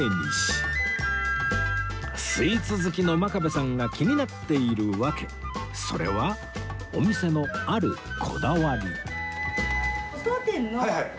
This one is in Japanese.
スイーツ好きの真壁さんが気になっている訳それはお店のあるこだわり